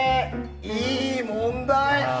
いい問題。